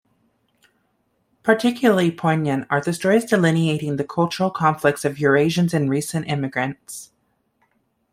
Particularly poignant are the stories delineating the cultural conflicts of Eurasians and recent immigrants.